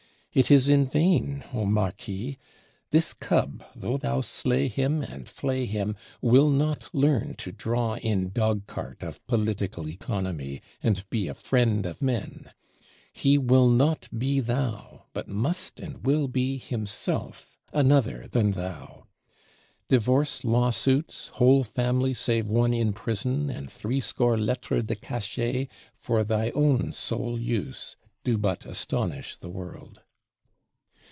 It is in vain, O Marquis! This cub, though thou slay him and flay him, will not learn to draw in dog cart of Political Economy, and be a friend of men; he will not be Thou, but must and will be Himself, another than Thou. Divorce law suits, "whole family save one in prison, and threescore lettres de cachet" for thy own sole use, do but astonish the world.